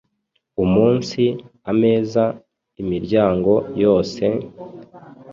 Umunsi ameza imiryango yose »,